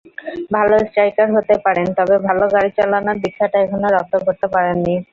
ভালো স্ট্রাইকার হতে পারেন, তবে ভালো গাড়ি চালানোর দীক্ষাটা এখনো রপ্ত করতে পারেননি।